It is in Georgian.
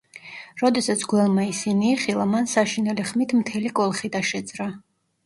როდესაც გველმა ისინი იხილა, მან საშინელი ხმით მთელი კოლხიდა შეძრა.